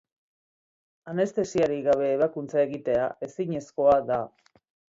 Anestesiarik gabe ebakuntza egitea ezinezkoa da.